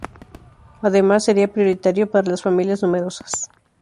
Además, sería prioritario para las familias numerosas.